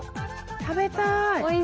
食べたい！